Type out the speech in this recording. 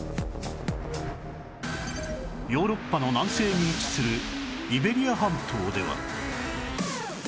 ヨーロッパの南西に位置するイベリア半島では